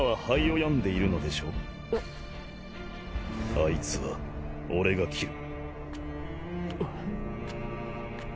あいつは俺が斬る。